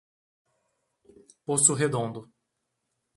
Poço Redondo